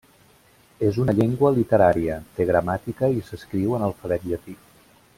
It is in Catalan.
És una llengua literària, té gramàtica i s'escriu en alfabet llatí.